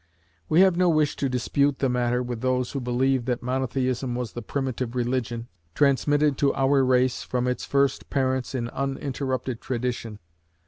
We have no wish to dispute the matter with those who believe that Monotheism was the primitive religion, transmitted to our race from its first parents in uninterrupted tradition.